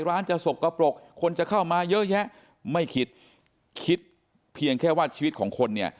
ร้านจะสกปรกคนจะเข้ามาเยอะแยะไม่คิดคิดเพียงแค่ว่าชีวิตของคนเนี่ย